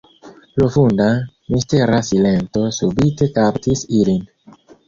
Profunda, mistera silento subite kaptis ilin.